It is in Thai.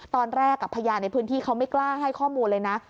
พยานในพื้นที่เขาไม่กล้าให้ข้อมูลเลยนะ